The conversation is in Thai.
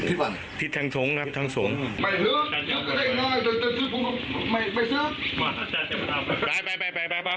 พระผู้ชมเขาเสียหายขนาดไหน